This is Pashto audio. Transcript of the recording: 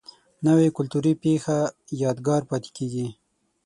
نوې کلتوري پیښه یادګار پاتې کېږي